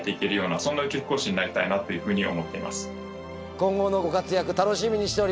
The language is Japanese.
今後のご活躍楽しみにしております。